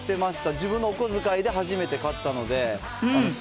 自分のお小遣いで初めて買ったのちょっと一節。